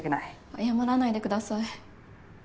謝らないでください。